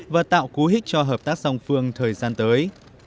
và tạo cú hích cho hợp tác song phương thời gian tới